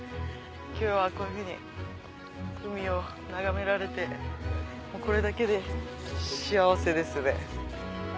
今日はこういうふうに海を眺められてこれだけで幸せですね。